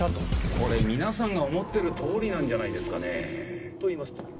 これ皆さんが思ってる通りなんじゃないですかね？といいますと？